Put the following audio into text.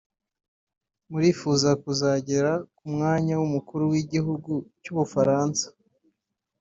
Murifuza kuzagera ku mwanya w’umukuru w’igihugu cy’Ubufaransa